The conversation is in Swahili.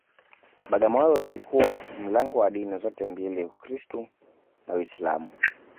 Bagamoyo ilikuwa mlango wa dini zote mbili Ukristu na Uislamu